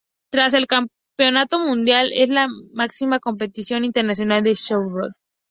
Tras el Campeonato Mundial, es la máxima competición internacional de "snowboard".